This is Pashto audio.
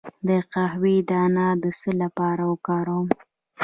د قهوې دانه د څه لپاره وکاروم؟